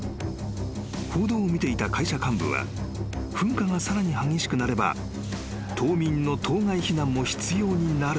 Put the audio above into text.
［報道を見ていた会社幹部は噴火がさらに激しくなれば島民の島外避難も必要になると考えていた］